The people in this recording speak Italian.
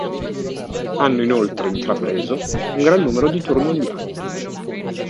Hanno inoltre intrapreso un gran numero di tour mondiali.